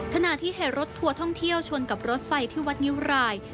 ขณะที่เหตุรถทัวร์ท่องเที่ยวชนกับรถไฟที่วัดงิ้วราย